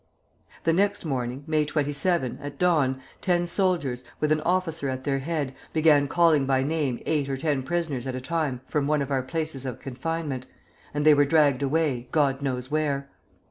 "The next morning, May 27, at dawn, ten soldiers, with an officer at their head, began calling by name eight or ten prisoners at a time from one of our places of confinement, and they were dragged away, God knows where.